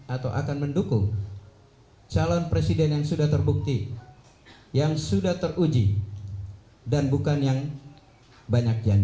atau akan mendukung calon presiden yang sudah terbukti yang sudah teruji dan bukan yang banyak janji